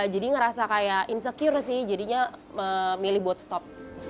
jadi ngerasa kayak insecure sih jadinya memilih buat stop